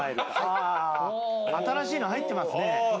ああ新しいの入ってますね。